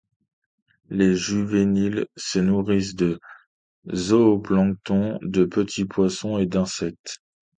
Les juvéniles se nourrissent de zooplancton, de petits poissons et d'insectes.